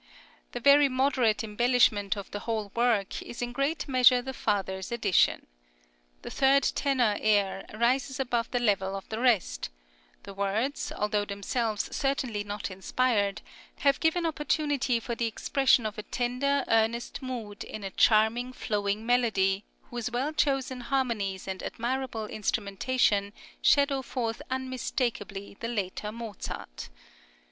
The very moderate embellishment of the whole work is in great measure the father's addition. The third tenor air rises above the level of the rest; the words, although themselves certainly not inspired, have given opportunity for the expression of a tender earnest mood in a charming flowing melody whose well chosen harmonies and admirable instrumentation shadow forth unmistakably the later Mozart.